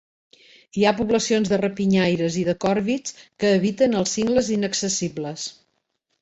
Hi ha poblacions de rapinyaires i de còrvids que habiten els cingles inaccessibles.